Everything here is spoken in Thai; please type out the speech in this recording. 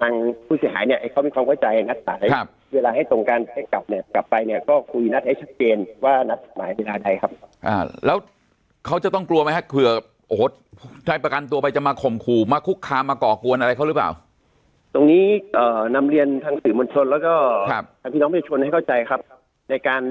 ทางผู้เสียหายเนี่ยเขามีความเข้าใจนัดหมายครับเวลาให้ตรงกันให้กลับเนี่ยกลับไปเนี่ยก็คุยนัดให้ชัดเจนว่านัดหมายเวลาใดครับแล้วเขาจะต้องกลัวไหมฮะเผื่อโอ้โหได้ประกันตัวไปจะมาข่มขู่มาคุกคามมาก่อกวนอะไรเขาหรือเปล่าตรงนี้นำเรียนทางสื่อมวลชนแล้วก็ทางพี่น้องประชาชนให้เข้าใจครับในการ